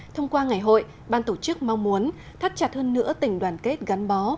thông qua ngày hội ban tổ chức mong muốn thắt chặt hơn nữa tình đoàn kết gắn bó